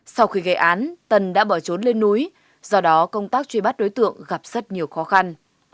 sau khi gây án tân đã bỏ trốn lên núi do đó công tác truy bắt đối tượng gặp rất nhiều khó khăn